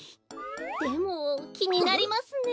でもきになりますね。